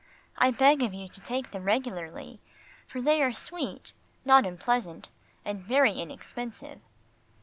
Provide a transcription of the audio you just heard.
I beg of you to take them regularly, for they are sweet, not unpleasant, and very inexpensive.